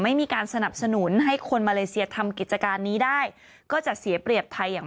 ไม่มีการสนับสนุนให้คนมาเลเซียทำกิจการนี้ได้ก็จะเสียเปรียบไทยอย่าง